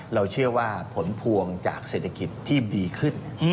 เราเชื่อว่าผลพวงจากเศรษฐกิจที่ดีขึ้น